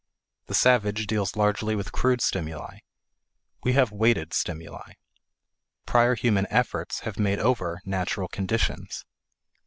The savage deals largely with crude stimuli; we have weighted stimuli. Prior human efforts have made over natural conditions.